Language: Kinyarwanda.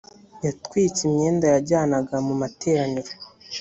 yatwitse imyenda yajyanaga mu materaniro